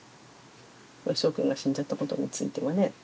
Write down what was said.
もうしょうくんが死んじゃったことについてはね。